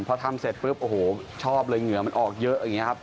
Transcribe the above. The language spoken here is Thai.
พอทำเสร็จปุ๊บโอ้โหชอบเลยเหงื่อมันออกเยอะอย่างนี้ครับ